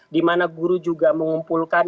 di mana guru juga mengumpulkan